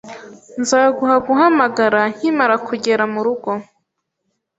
Nzaguha guhamagara nkimara kugera murugo